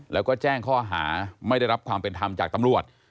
แล้วก็แจ้งข้อหาไม่ได้รับความเป็นธรรมจากตำรวจ